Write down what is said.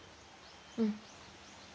うん。